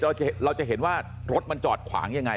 เพราะเดี๋ยวเราจะเห็นว่ารถมันจอดขวางยังไง